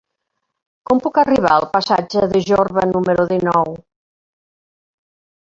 Com puc arribar al passatge de Jorba número dinou?